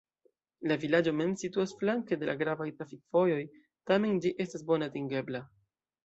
La vilaĝo mem situas flanke de la gravaj trafikvojoj, tamen ĝi estas bone atingebla.